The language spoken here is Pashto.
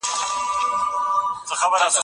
پدې سورت او قصه کي د انبياوو بحث سته.